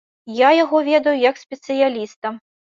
Я яго ведаю як спецыяліста.